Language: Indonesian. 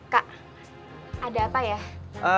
kak ada apa ya